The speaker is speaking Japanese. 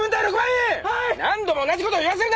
何度も同じこと言わせるな！